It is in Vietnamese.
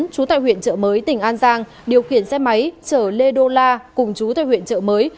chú tại huyện chợ mới tỉnh an giang điều khiển xe máy chở lê đô la cùng chú tại huyện chợ mới